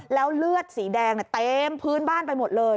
แล้วเลือดสีแดงเต็มพื้นบ้านไปหมดเลย